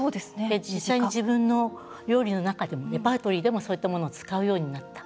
実際に、自分の料理の中でもレパートリーでもそういったものを使うようになった。